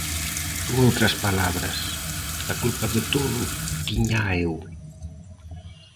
Con outras palabras, a culpa de todo tíñaa eu.